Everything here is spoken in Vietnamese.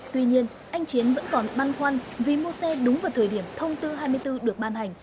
tuy nhiên anh chiến vẫn còn băn khoăn vì mua xe đúng vào thời điểm thông tư hai mươi bốn được ban hành